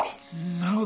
なるほど。